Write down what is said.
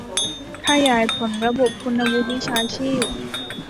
ขยายผลระบบคุณวุฒิวิชาชีพ